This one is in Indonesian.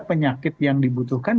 penyakit yang dibutuhkan